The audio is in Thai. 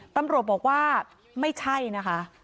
ตำรวจบอกว่าไม่ใช่นะคะ